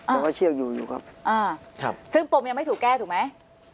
แล้วก็เชือกอยู่อยู่ครับอ่าครับซึ่งปมยังไม่ถูกแก้ถูกไหม